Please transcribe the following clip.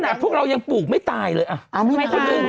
ขนาดพวกเรายังปลูกไม่ตายเลยไม่ตาย